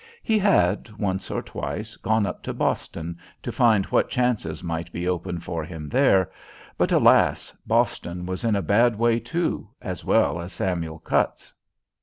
He had, once or twice, gone up to Boston to find what chances might be open for him there. But, alas, Boston was in a bad way too, as well as Samuel Cutts.